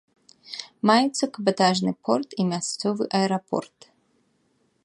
Маюцца кабатажны порт і мясцовы аэрапорт.